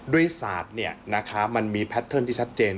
ด้วยศาสตร์นี่นะคะมันมีแพทเทิร์นที่ชัดเจน